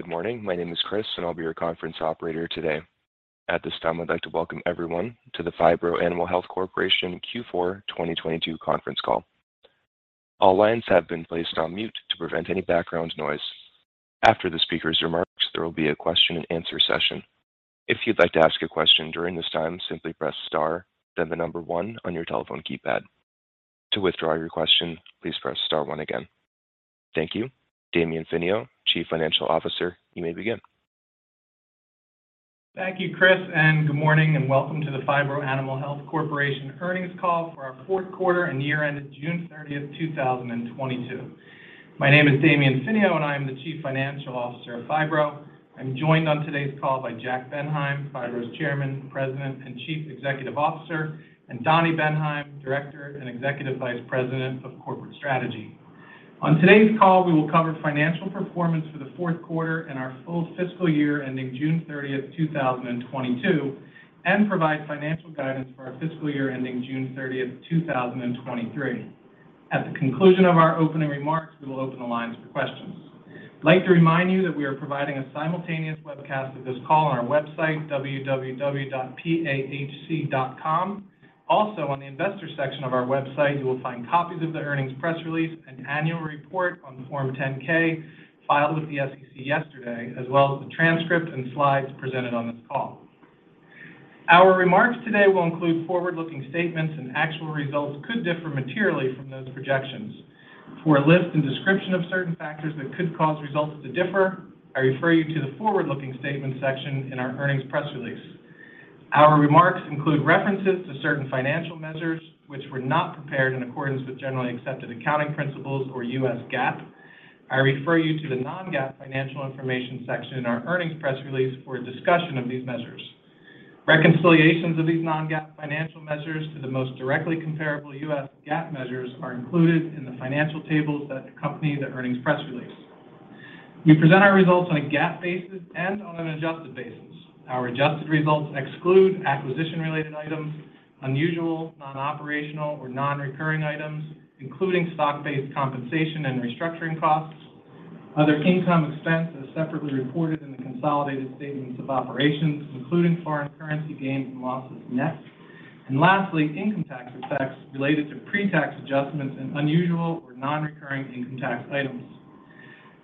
Good morning. My name is Chris, and I'll be your conference operator today. At this time, I'd like to welcome everyone to the Phibro Animal Health Corporation Q4 2022 conference call. All lines have been placed on mute to prevent any background noise. After the speaker's remarks, there will be a question and answer session. If you'd like to ask a question during this time, simply press star then the number one on your telephone keypad. To withdraw your question, please press star one again. Thank you. Damian Finio, Chief Financial Officer, you may begin. Thank you, Chris, and good morning and welcome to the Phibro Animal Health Corporation earnings call for our Q4 and year ended June 30, 2022. My name is Damian Finio, and I am the Chief Financial Officer of Phibro. I'm joined on today's call by Jack Bendheim, Phibro's Chairman, President, and Chief Executive Officer, and Daniel Bendheim, Director and Executive Vice President of Corporate Strategy. On today's call, we will cover financial performance for the Q4 and our full fiscal year ending June 30, 2022, and provide financial guidance for our fiscal year ending June 30, 2023. At the conclusion of our opening remarks, we will open the lines for questions. I'd like to remind you that we are providing a simultaneous webcast of this call on our website, www.pahc.com. Also, on the investor section of our website, you will find copies of the earnings press release and annual report on Form 10-K filed with the SEC yesterday, as well as the transcript and slides presented on this call. Our remarks today will include forward-looking statements, and actual results could differ materially from those projections. For a list and description of certain factors that could cause results to differ, I refer you to the forward-looking statement section in our earnings press release. Our remarks include references to certain financial measures which were not prepared in accordance with generally accepted accounting principles or U.S. GAAP. I refer you to the non-GAAP financial information section in our earnings press release for a discussion of these measures. Reconciliations of these non-GAAP financial measures to the most directly comparable U.S. GAAP measures are included in the financial tables that accompany the earnings press release. We present our results on a GAAP basis and on an adjusted basis. Our adjusted results exclude acquisition related items, unusual, non-operational, or non-recurring items, including stock-based compensation and restructuring costs, other income expense as separately reported in the consolidated statements of operations, including foreign currency gains and losses net, and lastly, income tax effects related to pre-tax adjustments and unusual or non-recurring income tax items.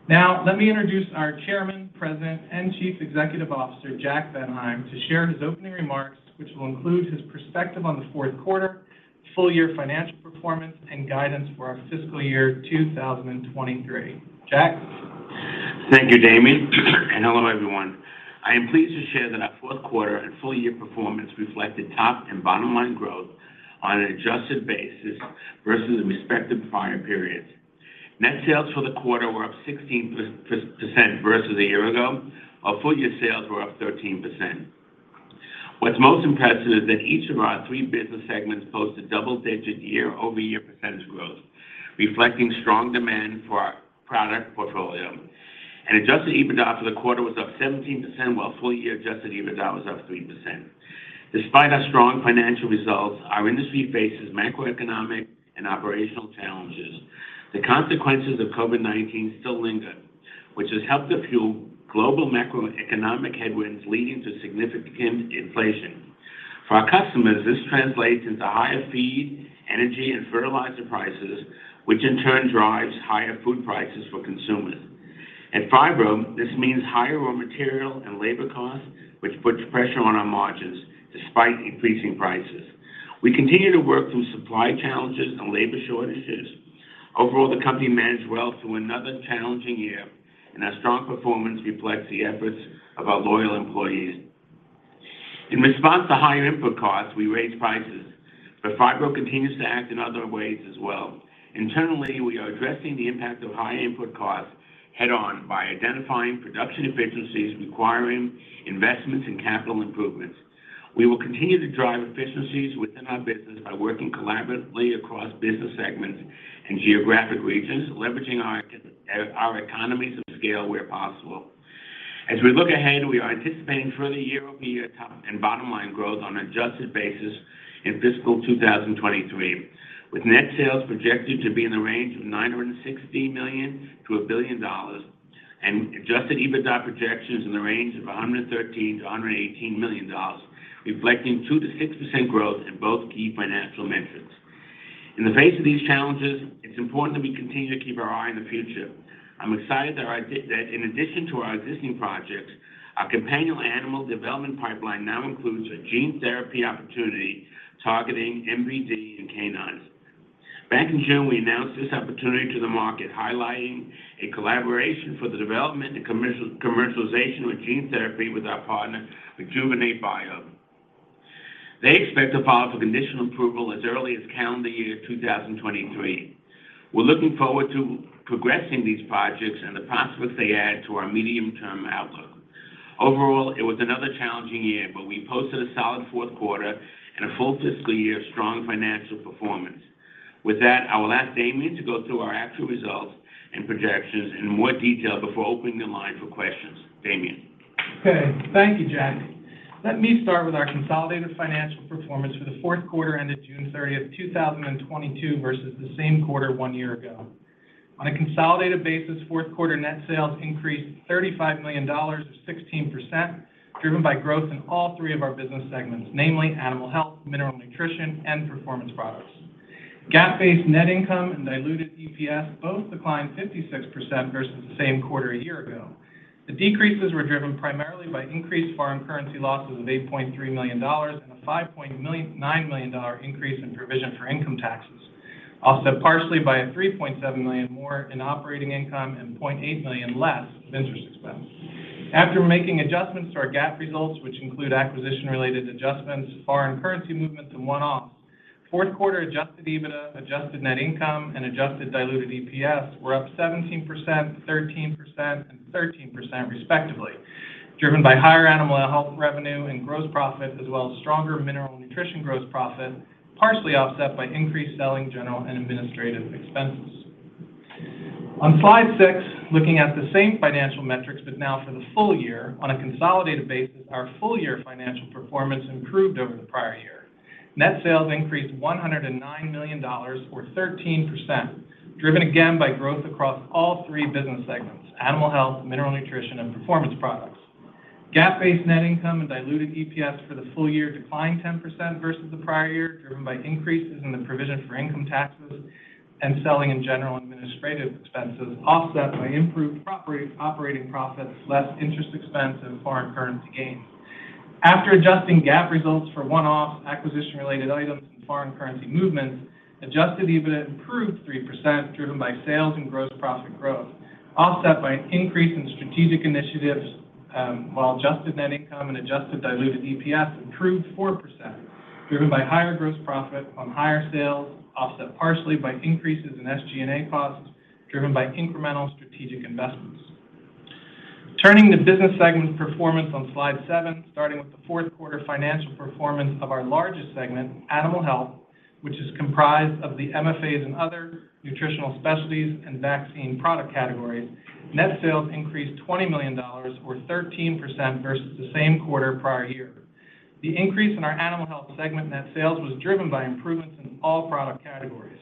Now, let me introduce our Chairman, President, and Chief Executive Officer, Jack Bendheim, to share his opening remarks which will include his perspective on the Q4, full year financial performance, and guidance for our fiscal year 2023. Jack. Thank you, Damian, and hello, everyone. I am pleased to share that our Q4 and full year performance reflected top and bottom line growth on an adjusted basis versus the respective prior periods. Net sales for the quarter were up 16% versus a year ago, our full year sales were up 13%. What's most impressive is that each of our three business segments posted double-digit year-over-year percentage growth, reflecting strong demand for our product portfolio. Adjusted EBITDA for the quarter was up 17%, while full year adjusted EBITDA was up 3%. Despite our strong financial results, our industry faces macroeconomic and operational challenges. The consequences of COVID-19 still linger, which has helped to fuel global macroeconomic headwinds leading to significant inflation. For our customers, this translates into higher feed, energy, and fertilizer prices, which in turn drives higher food prices for consumers. At Phibro, this means higher raw material and labor costs, which puts pressure on our margins despite increasing prices. We continue to work through supply challenges and labor shortages. Overall, the company managed well through another challenging year, and our strong performance reflects the efforts of our loyal employees. In response to higher input costs, we raised prices, but Phibro continues to act in other ways as well. Internally, we are addressing the impact of high input costs head on by identifying production efficiencies requiring investments in capital improvements. We will continue to drive efficiencies within our business by working collaboratively across business segments and geographic regions, leveraging our economies of scale where possible. As we look ahead, we are anticipating further year-over-year top and bottom line growth on an adjusted basis in fiscal 2023, with net sales projected to be in the range of $960 million-$1 billion, and adjusted EBITDA projections in the range of $113 million-$118 million, reflecting 2%-6% growth in both key financial measures. In the face of these challenges, it's important that we continue to keep our eye on the future. I'm excited that in addition to our existing projects, our companion animal development pipeline now includes a gene therapy opportunity targeting MVD in canines. Back in June, we announced this opportunity to the market, highlighting a collaboration for the development and commercialization of gene therapy with our partner, Rejuvenate Bio. They expect a positive initial approval as early as calendar year 2023. We're looking forward to progressing these projects and the prospects they add to our medium-term outlook. Overall, it was another challenging year, but we posted a solid Q4 and a full fiscal year strong financial performance. With that, I will ask Damian to go through our actual results and projections in more detail before opening the line for questions. Damian. Okay. Thank you, Jack. Let me start with our consolidated financial performance for the Q4 ended June 30, 2022 versus the same quarter one year ago. On a consolidated basis, Q4 net sales increased $35 million or 16% driven by growth in all three of our business segments, namely Animal Health, Mineral Nutrition, and Performance Products. GAAP-based net income and diluted EPS both declined 56% versus the same quarter a year ago. The decreases were driven primarily by increased foreign currency losses of $8.3 million and a $5.9 million increase in provision for income taxes, offset partially by $3.7 million more in operating income and $0.8 million less of interest expense. After making adjustments to our GAAP results, which include acquisition-related adjustments, foreign currency movements, and one-offs, Q4 adjusted EBITDA, adjusted net income, and adjusted diluted EPS were up 17%, 13%, and 13% respectively, driven by higher Animal Health revenue and gross profit as well as stronger Mineral Nutrition gross profit, partially offset by increased selling, general, and administrative expenses. On Slide 6, looking at the same financial metrics but now for the full year. On a consolidated basis, our full year financial performance improved over the prior year. Net sales increased $109 million or 13% driven again by growth across all three business segments, Animal Health, Mineral Nutrition, and Performance Products. GAAP-based net income and diluted EPS for the full year declined 10% versus the prior year, driven by increases in the provision for income taxes and selling and general administrative expenses offset by improved operating profits, less interest expense and foreign currency gains. After adjusting GAAP results for one-off acquisition-related items and foreign currency movements, adjusted EBITDA improved 3% driven by sales and gross profit growth, offset by an increase in strategic initiatives, while adjusted net income and adjusted diluted EPS improved 4% driven by higher gross profit on higher sales, offset partially by increases in SG&A costs driven by incremental strategic investments. Turning to business segment performance on slide 7, starting with the Q4 financial performance of our largest segment, Animal Health, which is comprised of the MFAs and other Nutritional Specialties and vaccine product categories. Net sales increased $20 million or 13% versus the same quarter prior year. The increase in our Animal Health segment net sales was driven by improvements in all product categories.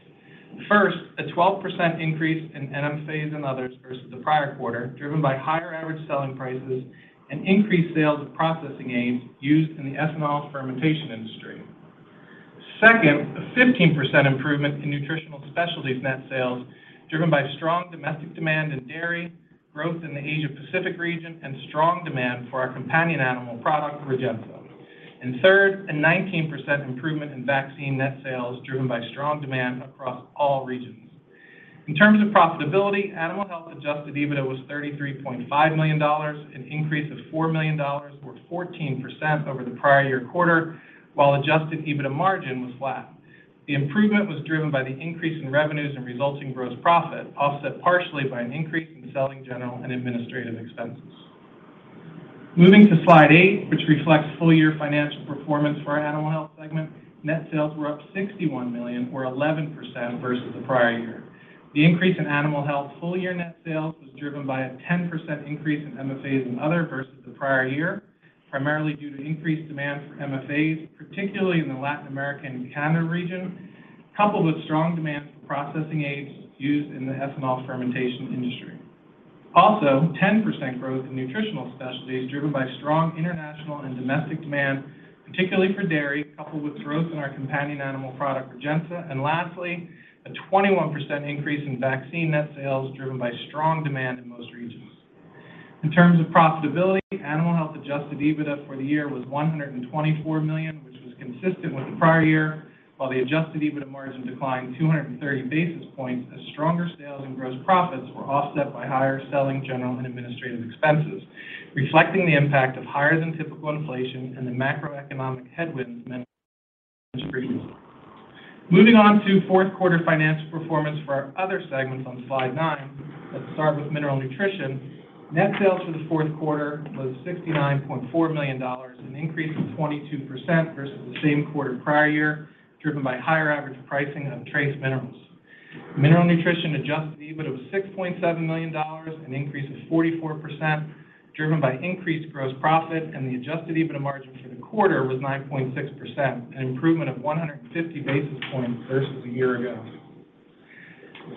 First, a 12% increase in MFAs and others versus the prior quarter, driven by higher average selling prices and increased sales of processing aids used in the ethanol fermentation industry. Second, a 15% improvement in nutritional specialties net sales driven by strong domestic demand in dairy, growth in the Asia-Pacific region, and strong demand for our companion animal product, Rejensa. Third, a 19% improvement in vaccine net sales driven by strong demand across all regions. In terms of profitability, Animal Health Adjusted EBITDA was $33.5 million, an increase of $4 million or 14% over the prior year quarter, while Adjusted EBITDA margin was flat. The improvement was driven by the increase in revenues and resulting gross profit, offset partially by an increase in selling, general, and administrative expenses. Moving to slide 8, which reflects full-year financial performance for our Animal Health segment. Net sales were up $61 million or 11% versus the prior year. The increase in Animal Health full-year net sales was driven by a 10% increase in MFAs and other versus the prior year, primarily due to increased demand for MFAs, particularly in the Latin America and Canada region, coupled with strong demand for processing aids used in the ethanol fermentation industry. Also, 10% growth in Nutritional Specialties driven by strong international and domestic demand, particularly for dairy, coupled with growth in our companion animal product, Rejensa. Lastly, a 21% increase in vaccine net sales driven by strong demand in most regions. In terms of profitability, Animal Health Adjusted EBITDA for the year was $124 million, which was consistent with the prior year, while the Adjusted EBITDA margin declined 230 basis points as stronger sales and gross profits were offset by higher selling, general and administrative expenses, reflecting the impact of higher than typical inflation and the macroeconomic headwinds mentioned previously. Moving on to Q4 financial performance for our other segments on slide 9. Let's start with Mineral Nutrition. Net sales for the Q4 was $69.4 million, an increase of 22% versus the same quarter prior year, driven by higher average pricing of trace minerals. Mineral Nutrition Adjusted EBIT of $6.7 million, an increase of 44%, driven by increased gross profit. The Adjusted EBITDA margin for the quarter was 9.6%, an improvement of 150 basis points versus a year ago.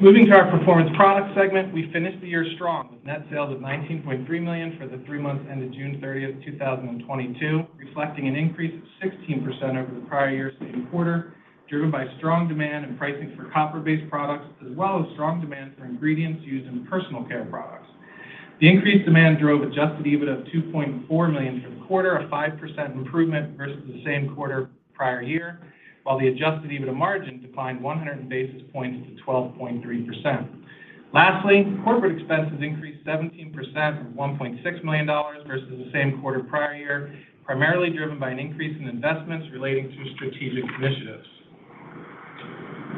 Moving to our Performance Products segment, we finished the year strong with net sales of $19.3 million for the three months ended June 30, 2022, reflecting an increase of 16% over the prior year's same quarter, driven by strong demand and pricing for copper-based products, as well as strong demand for ingredients used in personal care products. The increased demand drove Adjusted EBITDA of $2.4 million for the quarter, a 5% improvement versus the same quarter prior year, while the Adjusted EBITDA margin declined 100 basis points to 12.3%. Lastly, corporate expenses increased 17% from $1.6 million versus the same quarter prior year, primarily driven by an increase in investments relating to strategic initiatives.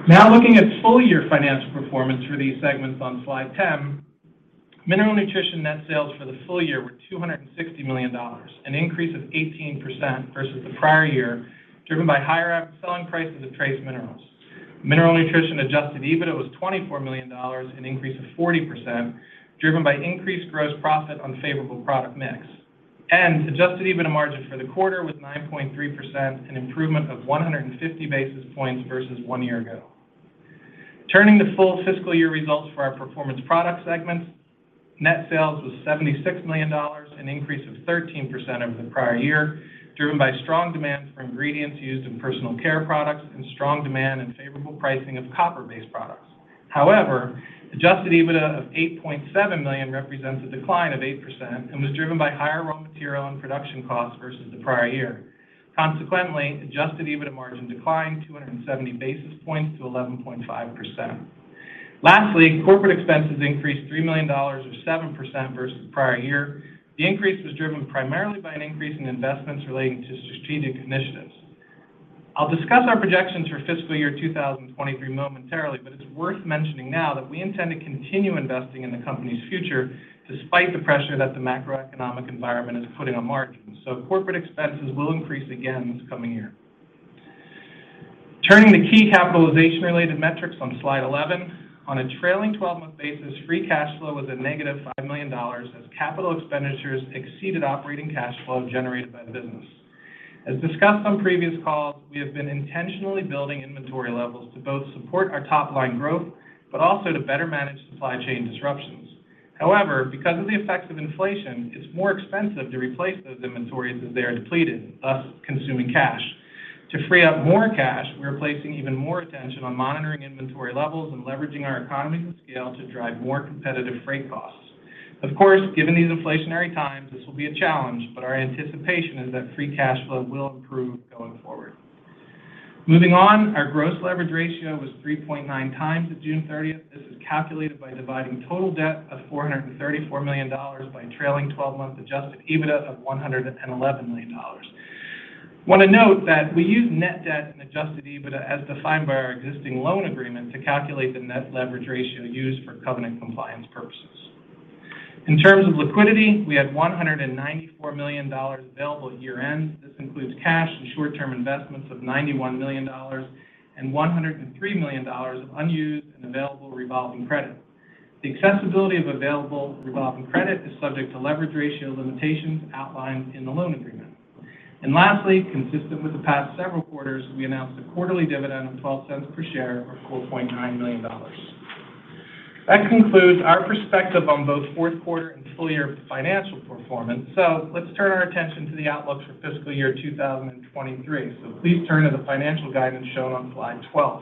Now, looking at full-year financial performance for these segments on Slide 10. Mineral Nutrition net sales for the full year were $260 million, an increase of 18% versus the prior year, driven by higher selling prices of trace minerals. Mineral Nutrition Adjusted EBITDA was $24 million, an increase of 40%, driven by increased gross profit on favorable product mix. Adjusted EBITDA margin for the quarter was 9.3%, an improvement of 150 basis points versus one year ago. Turning to full fiscal year results for our Performance Products segment, net sales was $76 million, an increase of 13% over the prior year, driven by strong demand for ingredients used in personal care products and strong demand and favorable pricing of copper-based products. However, Adjusted EBITDA of $8.7 million represents a decline of 8% and was driven by higher raw material and production costs versus the prior year. Consequently, Adjusted EBITDA margin declined 270 basis points to 11.5%. Lastly, corporate expenses increased $3 million or 7% versus the prior year. The increase was driven primarily by an increase in investments relating to strategic initiatives. I'll discuss our projections for fiscal year 2023 momentarily, but it's worth mentioning now that we intend to continue investing in the company's future despite the pressure that the macroeconomic environment is putting on margins. Corporate expenses will increase again this coming year. Turning to key capitalization-related metrics on slide 11. On a trailing 12-month basis, free cash flow was -$5 million as capital expenditures exceeded operating cash flow generated by the business. As discussed on previous calls, we have been intentionally building inventory levels to both support our top-line growth, but also to better manage supply chain disruptions. However, because of the effects of inflation, it's more expensive to replace those inventories as they are depleted, thus consuming cash. To free up more cash, we are placing even more attention on monitoring inventory levels and leveraging our economies of scale to drive more competitive freight costs. Of course, given these inflationary times, this will be a challenge, but our anticipation is that free cash flow will improve going forward. Moving on, our gross leverage ratio was 3.9 times at June 30th. This is calculated by dividing total debt of $434 million by trailing twelve-month Adjusted EBITDA of $111 million. Want to note that we use net debt and Adjusted EBITDA as defined by our existing loan agreement to calculate the net leverage ratio used for covenant compliance purposes. In terms of liquidity, we had $194 million available at year-end. This includes cash and short-term investments of $91 million and $103 million of unused and available revolving credit. The accessibility of available revolving credit is subject to leverage ratio limitations outlined in the loan agreement. Lastly, consistent with the past several quarters, we announced a quarterly dividend of $0.12 per share or $4.9 million. That concludes our perspective on both Q4 and full-year financial performance. Let's turn our attention to the outlook for fiscal year 2023. Please turn to the financial guidance shown on slide 12.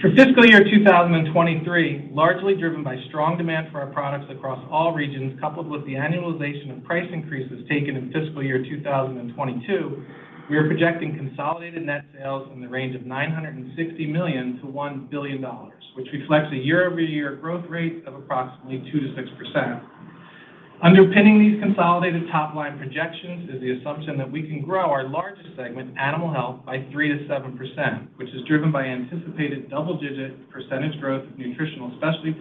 For fiscal year 2023, largely driven by strong demand for our products across all regions, coupled with the annualization of price increases taken in fiscal year 2022, we are projecting consolidated net sales in the range of $960 million-$1 billion, which reflects a year-over-year growth rate of approximately 2%-6%. Underpinning these consolidated top-line projections is the assumption that we can grow our largest segment, Animal Health, by 3%-7%, which is driven by anticipated double-digit percentage growth of Nutritional Specialties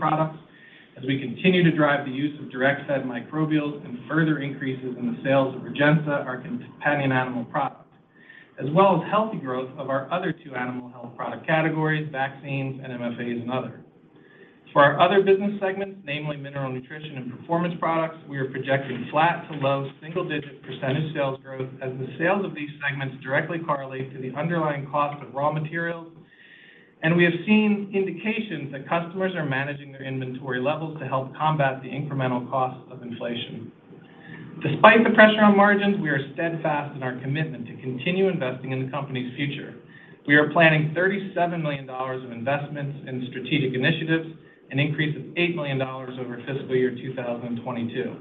as we continue to drive the use of Direct-Fed Microbials and further increases in the sales of Rejensa, our companion animal product, as well as healthy growth of our other two Animal Health product categories, vaccines and MFAs and other. For our other business segments, namely Mineral Nutrition and Performance Products, we are projecting flat to low single-digit% sales growth as the sales of these segments directly correlate to the underlying cost of raw materials. We have seen indications that customers are managing their inventory levels to help combat the incremental costs of inflation. Despite the pressure on margins, we are steadfast in our commitment to continue investing in the company's future. We are planning $37 million of investments in strategic initiatives, an increase of $8 million over fiscal year 2022.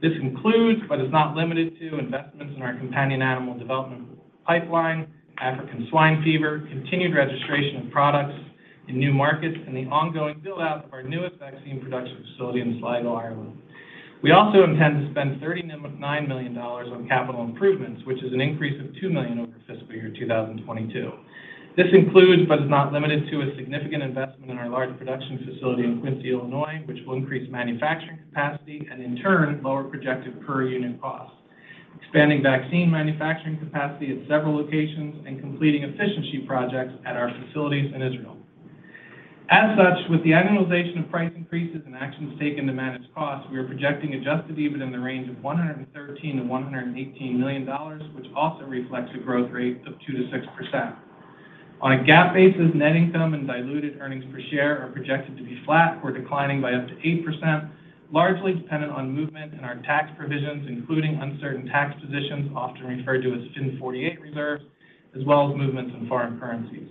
This includes, but is not limited to, investments in our companion animal development pipeline, African swine fever, continued registration of products in new markets, and the ongoing build-out of our newest vaccine production facility in Sligo, Ireland. We also intend to spend $39 million on capital improvements, which is an increase of $2 million over fiscal year 2022. This includes, but is not limited to, a significant investment in our large production facility in Quincy, Illinois, which will increase manufacturing capacity and in turn lower projected per unit costs, expanding vaccine manufacturing capacity at several locations and completing efficiency projects at our facilities in Israel. As such, with the annualization of price increases and actions taken to manage costs, we are projecting Adjusted EBITDA in the range of $113 million-$118 million, which also reflects a growth rate of 2%-6%. On a GAAP basis, net income and diluted earnings per share are projected to be flat or declining by up to 8%, largely dependent on movement in our tax provisions, including uncertain tax positions, often referred to as FIN 48 reserves, as well as movements in foreign currencies.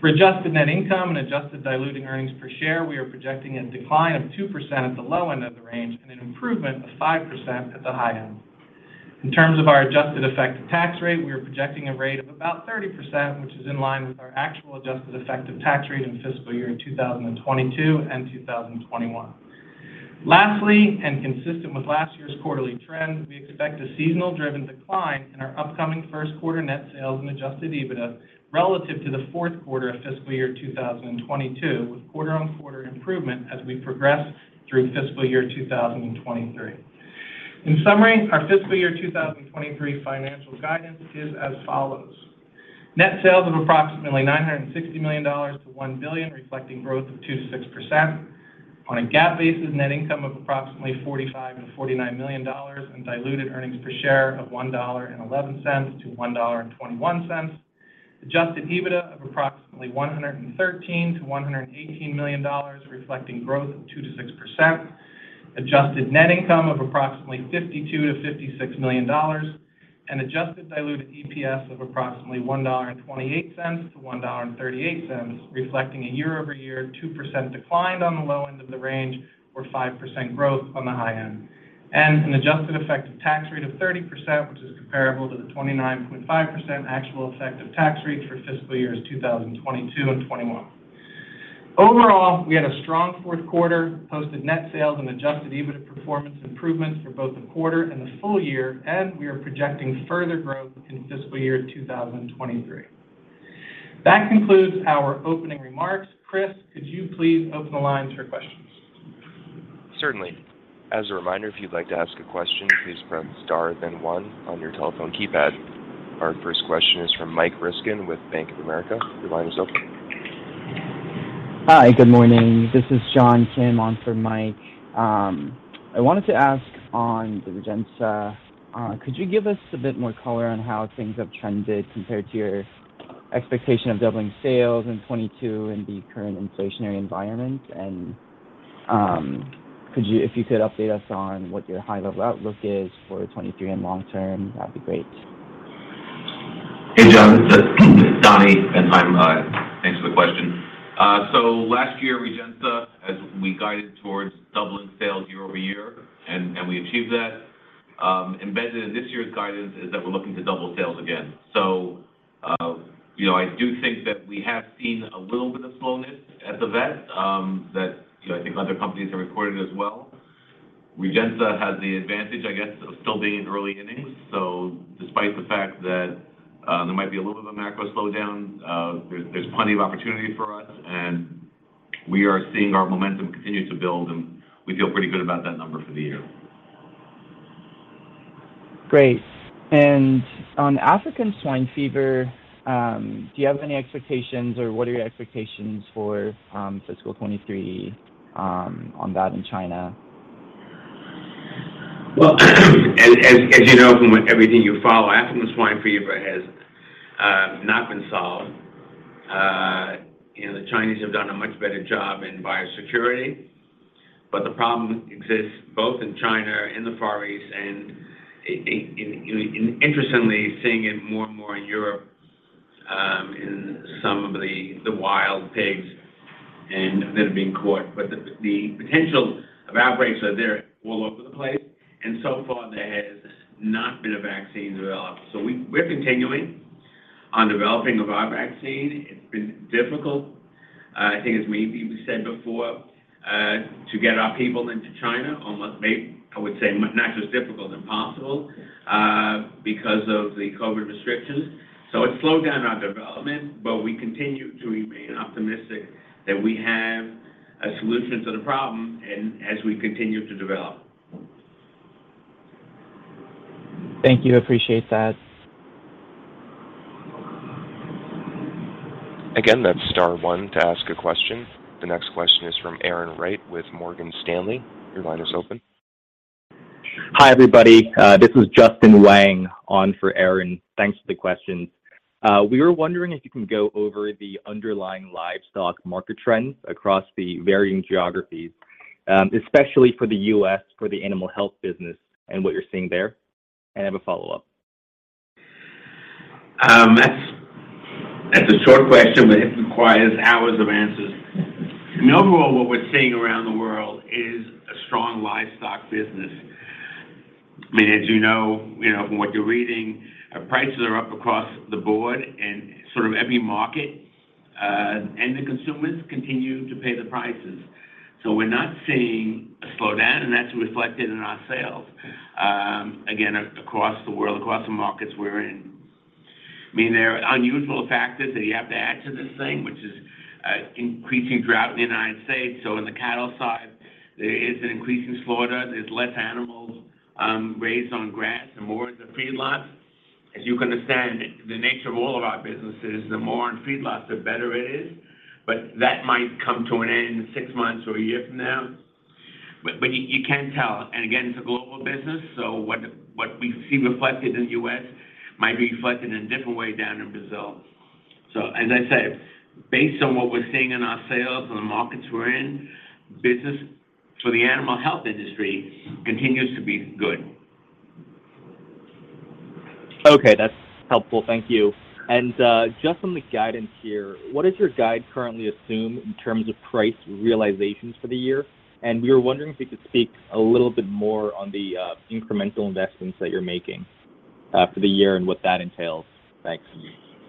For adjusted net income and adjusted diluted earnings per share, we are projecting a decline of 2% at the low end of the range and an improvement of 5% at the high end. In terms of our adjusted effective tax rate, we are projecting a rate of about 30%, which is in line with our actual adjusted effective tax rate in fiscal year 2022 and 2021. Lastly, consistent with last year's quarterly trends, we expect a seasonal-driven decline in our upcoming Q1 net sales and Adjusted EBITDA relative to the Q4 of fiscal year 2022, with quarter-on-quarter improvement as we progress through fiscal year 2023. In summary, our fiscal year 2023 financial guidance is as follows: net sales of approximately $960 million-$1 billion, reflecting growth of 2%-6%. On a GAAP basis, net income of approximately $45-$49 million and diluted earnings per share of $1.11-$1.21. Adjusted EBITDA of approximately $113-$118 million, reflecting growth of 2%-6%. Adjusted net income of approximately $52 million-$56 million and adjusted diluted EPS of approximately $1.28-$1.38, reflecting a year-over-year 2% decline on the low end of the range or 5% growth on the high end. An adjusted effective tax rate of 30%, which is comparable to the 29.5% actual effective tax rate for fiscal years 2022 and 2021. Overall, we had a strong Q4, posted net sales and Adjusted EBITDA performance improvements for both the quarter and the full year, and we are projecting further growth in fiscal year 2023. That concludes our opening remarks. Chris, could you please open the lines for questions? Certainly. As a reminder, if you'd like to ask a question, please press Star, then one on your telephone keypad. Our first question is from Michael Ryskin with Bank of America. Your line is open. Hi, good morning. This is John Kim on for Mike. I wanted to ask on the Rejensa, could you give us a bit more color on how things have trended compared to your expectation of doubling sales in 2022 in the current inflationary environment? If you could update us on what your high-level outlook is for 2023 and long term, that'd be great. Hey, John. This is Daniel Bendheim. Thanks for the question. So last year, Rejensa, as we guided towards doubling sales year-over-year, and we achieved that. Embedded in this year's guidance is that we're looking to double sales again. You know, I do think that we have seen a little bit of slowness at the vet, that, other companies have recorded as well. Rejensa has the advantage of still being in early innings. Despite the fact that there might be a little bit of a macro slowdown, there's plenty of opportunity for us, and we are seeing our momentum continue to build, and we feel pretty good about that number for the year. Great. On African swine fever, do you have any expectations or what are your expectations for fiscal 2023 on that in China? Well, as you know from everything you follow, African swine fever has not been solved. The Chinese have done a much better job in biosecurity. The problem exists both in China, in the Far East and interestingly, seeing it more and more in Europe, in some of the wild pigs that are being caught. The potential of outbreaks are there all over the place. So far there has not been a vaccine developed. We're continuing on developing of our vaccine. It's been difficult, I think as maybe we said before, to get our people into China, I would say not just difficult, impossible, because of the COVID restrictions. It slowed down our development, but we continue to remain optimistic that we have a solution to the problem and as we continue to develop. Thank you. Appreciate that. Again, that's star one to ask a question. The next question is from Erin Wright with Morgan Stanley. Your line is open. Hi, everybody. This is Justin Wang on for Erin. Thanks for the questions. We were wondering if you can go over the underlying livestock market trends across the varying geographies, especially for the U.S., for the Animal Health business and what you're seeing there. I have a follow-up. That's a short question, but it requires hours of answers. Overall, what we're seeing around the world is a strong livestock business. As you know, from what you're reading, our prices are up across the board in sort of every market, and the consumers continue to pay the prices. We're not seeing a slowdown, and that's reflected in our sales, again, across the world, across the markets we're in. There are unusual factors that you have to add to this thing, which is increasing drought in the United States. On the cattle side, there is an increase in slaughter. There's less animals raised on grass and more in the feedlots. As you can understand, the nature of all of our businesses, the more on feedlots, the better it is. That might come to an end six months or a year from now. You can't tell. Again, it's a global business, so what we see reflected in the U.S. might be reflected in a different way down in Brazil. As I said, based on what we're seeing in our sales and the markets we're in, business for the animal health industry continues to be good. Okay. That's helpful. Thank you. Just on the guidance here, what does your guide currently assume in terms of price realizations for the year? We were wondering if you could speak a little bit more on the incremental investments that you're making for the year and what that entails. Thanks.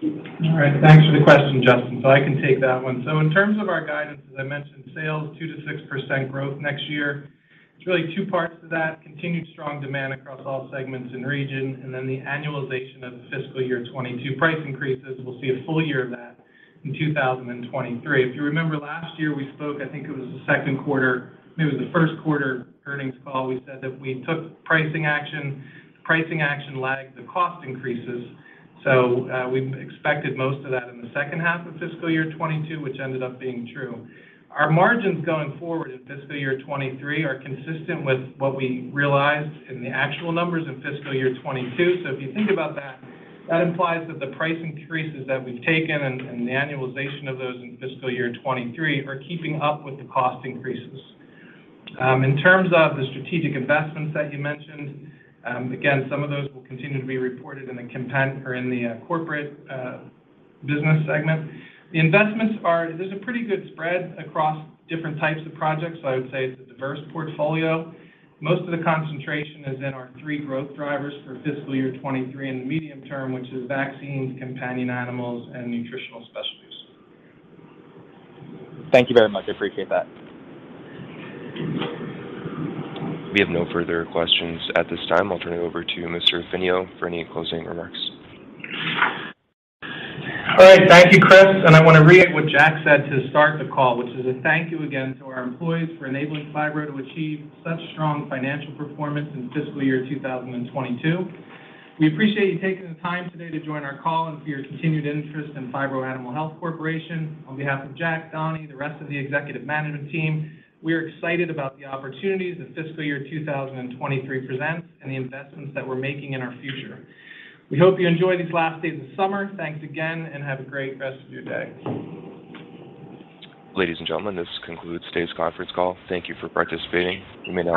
All right. Thanks for the question, Justin. I can take that one. In terms of our guidance, as I mentioned, sales 2%-6% growth next year. There's really two parts to that, continued strong demand across all segments and region, and then the annualization of the fiscal year 2022 price increases. We'll see a full year of that in 2023. If you remember last year we spoke, I think it was the Q2, maybe it was the Q1 earnings call, we said that we took pricing action. The pricing action lagged the cost increases. We expected most of that in the second half of fiscal year 2022, which ended up being true. Our margins going forward in fiscal year 2023 are consistent with what we realized in the actual numbers in fiscal year 2022. If you think about that implies that the price increases that we've taken and the annualization of those in fiscal year 2023 are keeping up with the cost increases. In terms of the strategic investments that you mentioned, again, some of those will continue to be reported in the corporate business segment. There's a pretty good spread across different types of projects, so I would say it's a diverse portfolio. Most of the concentration is in our three growth drivers for fiscal year 2023 in the medium term, which is vaccines, companion animals, and nutritional specialties. Thank you very much. I appreciate that. We have no further questions at this time. I'll turn it over to Mr. Finio for any closing remarks. All right. Thank you, Chris. I wanna reiterate what Jack said to start the call, which is a thank you again to our employees for enabling Phibro to achieve such strong financial performance in fiscal year 2022. We appreciate you taking the time today to join our call and for your continued interest in Phibro Animal Health Corporation. On behalf of Jack, Donny, the rest of the executive management team, we are excited about the opportunities that fiscal year 2023 presents and the investments that we're making in our future. We hope you enjoy these last days of summer. Thanks again, and have a great rest of your day. Ladies and gentlemen, this concludes today's conference call. Thank you for participating. You may now disconnect.